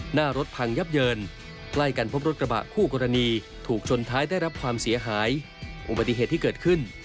หน้ารถพังยับเยิน